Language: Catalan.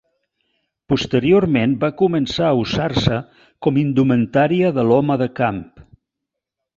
Posteriorment va començar a usar-se com indumentària de l'home de camp.